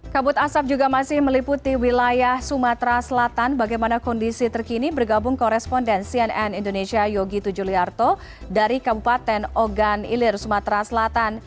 kabut asap juga masih meliputi wilayah sumatera selatan bagaimana kondisi terkini bergabung koresponden cnn indonesia yogi tujuliarto dari kabupaten ogan ilir sumatera selatan